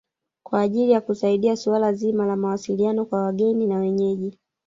Kwa ajili ya kusaidia suala zima la mawasiliano kwa wageni na wenyeji